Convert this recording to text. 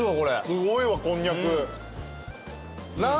すごいわこんにゃく。